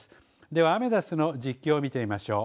では、アメダスの実況を見てみましょう。